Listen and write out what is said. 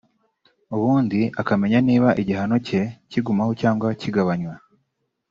ubundi akamenya niba igihano cye kigumaho cyangwa kigabanywa